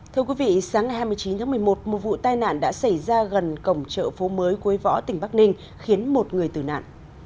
thưa quý vị sáng ngày hai mươi chín tháng một mươi một một vụ tai nạn đã xảy ra gần cổng chợ phố mới quê võ tỉnh bắc ninh khiến một người tử nạn